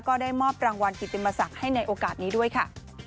ก็ได้มอบรางวัลกิติมศักดิ์ให้ในโอกาสนี้ด้วยค่ะ